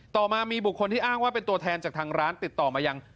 ต่อมามีบุคคลที่อ้างว่าเป็นตัวแทนจากทางร้านติดต่อมายัง